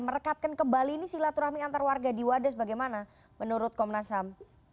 merekatkan kembali ini silaturahmi antar warga di wadas bagaimana menurut komnas ham